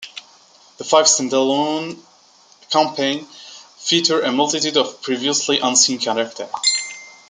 The five standalone campaigns feature a multitude of previously-unseen characters.